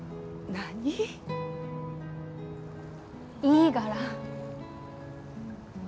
いいがら。